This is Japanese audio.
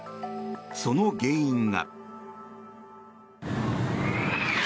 その原因が。